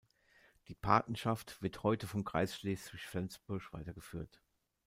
Die Patenschaft wird heute vom Kreis Schleswig-Flensburg weitergeführt.